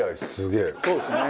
そうですね。